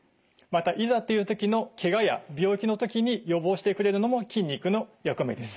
またいざっていう時のけがや病気の時に予防してくれるのも筋肉の役目です。